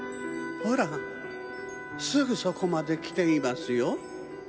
ほらすぐそこまできていますよ。